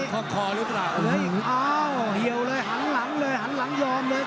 เอ้าเหี่ยวเลยหันหลังเลยหันหลังยอมเลย